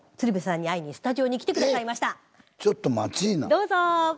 どうぞ！